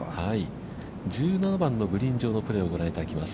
１７番のグリーン上のプレーをご覧いただきます。